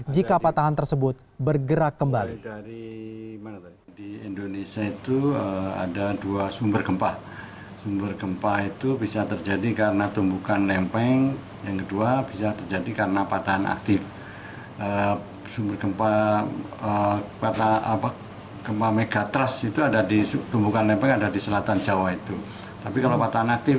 jika patahan tersebut bergerak kembali